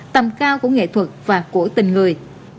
tầm cao của nghệ thuật và của tình người